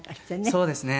そうですね。